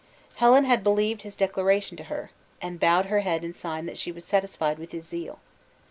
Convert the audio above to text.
Helen had believed his declaration to her, and bowed her head in sign that she was satisfied with his zeal.